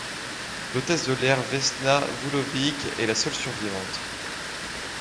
L'hôtesse de l'air Vesna Vulović est la seule survivante.